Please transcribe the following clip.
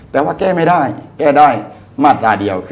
แต่ว่าแก้ไม่ได้แก้ได้